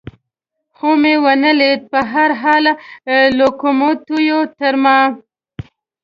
خو مې و نه لیدل، په هر حال لوکوموتیو تر ما.